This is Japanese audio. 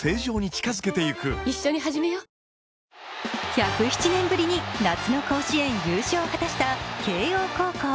１０７年ぶりに夏の甲子園、優勝を果たした慶応高校。